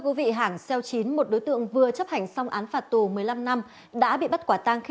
quý vị hãng xeo chín một đối tượng vừa chấp hành xong án phạt tù một mươi năm năm đã bị bắt quả tang khi